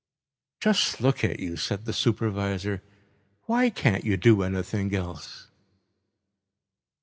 "Just look at you," said the supervisor, "why can't you do anything else?"